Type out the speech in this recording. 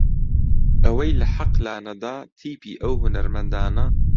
ئەوەی لە حەق لا نەدا تیپی ئەو هونەرمەندانە